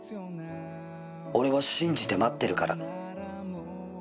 「俺は信じて待ってるから」